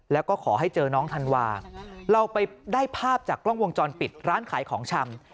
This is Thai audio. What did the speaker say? แล้วก็ขอให้เจอน้องธันวาเราไปได้ภาพจากกล้องวงจรปิดร้านขายของชำ